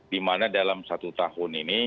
dimana dalam satu tahun ini